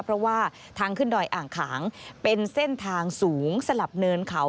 เพราะว่าทางขึ้นดอยอ่างขางเป็นเส้นทางสูงสลับเนินเขา